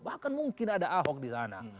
bahkan mungkin ada ahok di sana